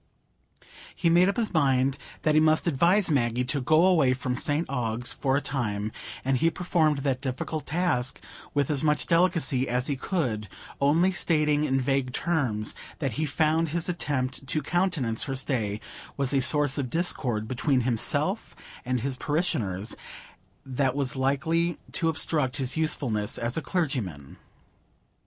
He made up his mind that he must advise Maggie to go away from St Ogg's for a time; and he performed that difficult task with as much delicacy as he could, only stating in vague terms that he found his attempt to countenance her stay was a source of discord between himself and his parishioners, that was likely to obstruct his usefulness as a clergyman.